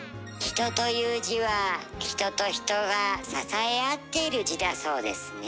「人」という字は人と人が支え合ってる字だそうですね。